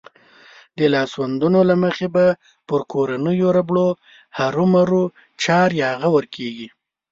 د لاسوندو له مخې به پر کورنيو ربړو هرومرو چار يا غور کېږي.